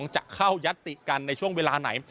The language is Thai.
จะเข้ายัตติกันในช่วงเวลาไหน